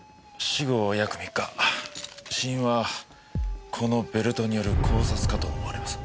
死因はこのベルトによる絞殺かと思われます。